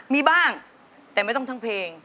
มีบ้างแต่ไม่ต้องทั้งเพลง